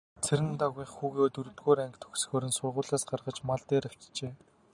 Цэрэндагвынх хүүгээ дөрөвдүгээр анги төгсөхөөр нь сургуулиас гаргаж мал дээр авчээ.